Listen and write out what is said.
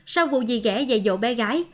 sau vụ dì ghẻ dạy dỗ bé gái